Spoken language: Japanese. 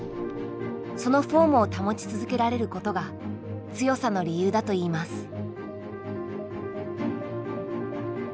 そのフォームを保ち続けられることが強さの理由だといいます。